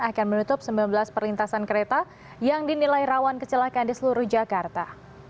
akan menutup sembilan belas perlintasan kereta yang dinilai rawan kecelakaan di seluruh jakarta